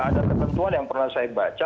ada ketentuan yang pernah saya baca